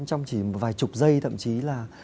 trong chỉ một vài chục giây thậm chí là